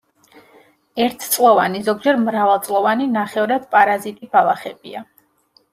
ერთწლოვანი, ზოგჯერ მრავალწლოვანი ნახევრად პარაზიტი ბალახებია.